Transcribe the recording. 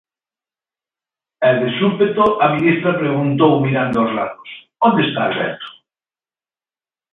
E, de súpeto, a ministra preguntou, mirando aos lados: Onde está Alberto?